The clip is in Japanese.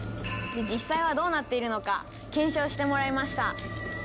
「実際はどうなっているのか検証してもらいました」